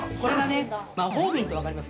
これが、魔法瓶って分かります？